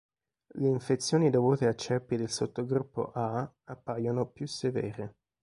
Le infezioni dovute a ceppi del sottogruppo A appaiono più severe.